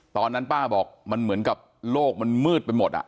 ตอนนั้นป้าบอกมันเหมือนกับโลกมันมืดไปหมด